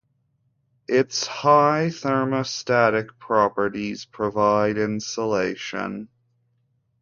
Its high thermostatic properties provide insulation.